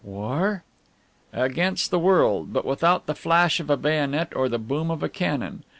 "War?" "Against the world, but without the flash of a bayonet or the boom of a cannon.